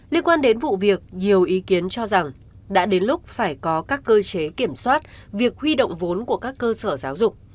liên quan đến vụ việc nhiều ý kiến cho rằng đã đến lúc phải có các cơ chế kiểm soát việc huy động vốn của các cơ sở giáo dục